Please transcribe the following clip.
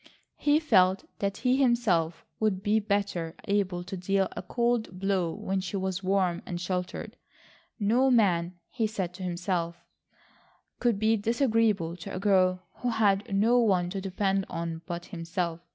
He felt that he himself would be better able to deal a cold blow when she was warm and sheltered. No man, he said to himself, could be disagreeable to a girl who had no one to depend on but himself.